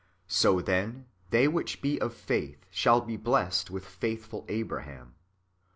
So then they which be of faith shall be blessed with faithful Abraham."